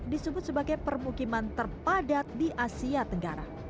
disebut sebagai permukiman terpadat di asia tenggara